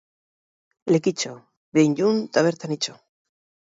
Lekitxo behin jun ta bertan itxo!